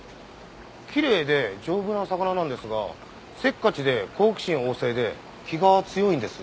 きれいで丈夫な魚なんですがせっかちで好奇心旺盛で気が強いんです。